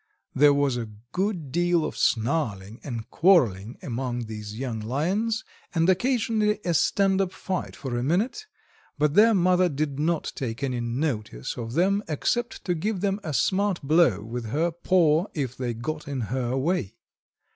There was a good deal of snarling and quarreling among these young Lions, and occasionally a standup fight for a minute, but their mother did not take any notice of them except to give them a smart blow with her paw if they got in her way.